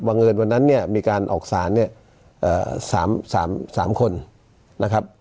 วังเงินวันนั้นเนี่ยมีการออกสาร๓คนนะครับ